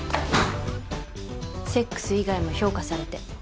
セックス以外も評価されて。